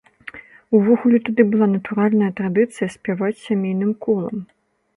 Увогуле, тады была натуральная традыцыя спяваць сямейным колам.